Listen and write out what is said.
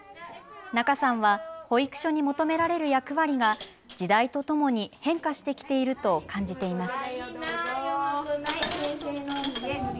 仲さんは保育所に求められる役割が時代とともに変化してきていると感じています。